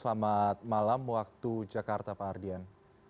selamat malam waktu jakarta pak ardian